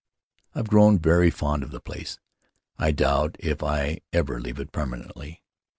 I've grown very fond of the place; I doubt if I ever leave it per manentlv.